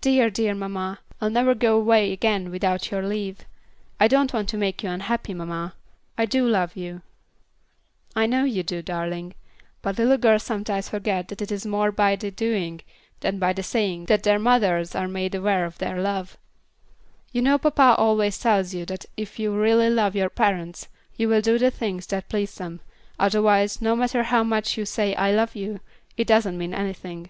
"Dear, dear mamma, I'll never go away again without your leave. I don't want to make you unhappy, mamma. I do love you." "I know you do, darling; but little girls sometimes forget that it is more by the doing than by the saying that their mothers are made aware of their love. You know papa always tells you that if you really love your parents, you will do the things that please them, otherwise, no matter how much you say 'I love you,' it doesn't mean anything."